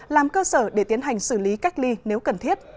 làm cơ sở để tiến hành xử lý cách ly nếu cần thiết